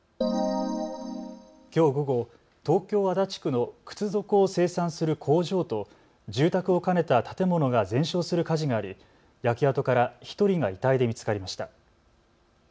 きょう午後、東京足立区の靴底を生産する工場と住宅を兼ねた建物が全焼する火事があり焼け跡から１人が遺体で見つかりました。